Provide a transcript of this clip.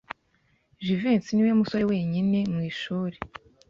Jivency niwe musore wenyine mu ishuri